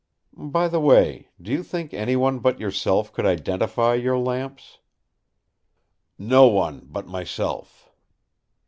By the way, do you think anyone but yourself could identify your lamps?" "No one but myself!"